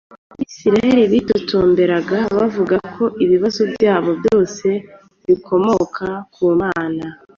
abisirayeli bitotombaga bavuga ko ibibazo byabo byose bikomoka ku mana